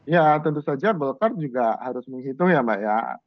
ya tentu saja golkar juga harus menghitung ya mbak ya